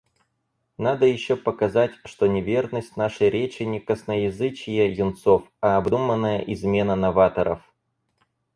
Надо ещё показать, что неверность нашей речи не косноязычие юнцов, а обдуманная измена новаторов.